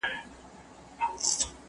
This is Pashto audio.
لکه جوړه له بلوړو مرغلینه!!